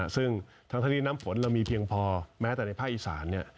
ซึ่งทั้งที่น้ำฝนเรามีเพียงพอแม้แต่ในภาคอีสาน